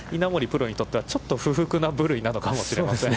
プロにとってはちょっと不服な部類なのかもしれません。